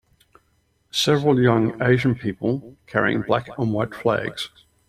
several young asian people carrying black and white flags